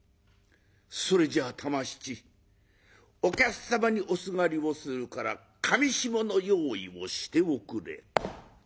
「それじゃあ玉七お客様におすがりをするから裃の用意をしておくれ」。